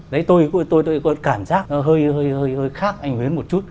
đấy tôi có cảm giác hơi khác anh huến một chút